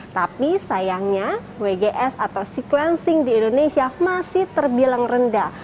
tapi sayangnya wgs atau sequencing di indonesia masih terbilang rendah